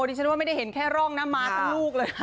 ดิฉันว่าไม่ได้เห็นแค่ร่องนะมาทั้งลูกเลยนะ